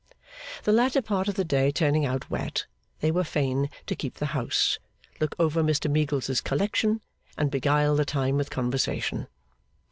The latter part of the day turning out wet, they were fain to keep the house, look over Mr Meagles's collection, and beguile the time with conversation.